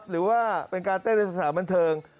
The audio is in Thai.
หรือว่าเป็นการเต้นในสถานบันเทิง